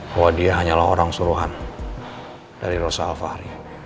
bahwa dia hanyalah orang suruhan dari rosa alfahri